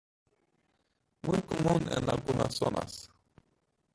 Muy común en algunas zonas.